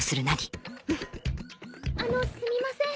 あのすみません。